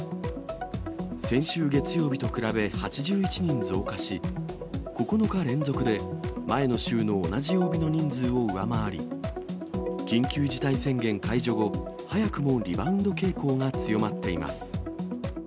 先週月曜日と比べ８１人増加し、９日連続で前の週の同じ曜日の人数を上回り、緊急事態宣言解除後、早くもリバウンド傾向が強まっています。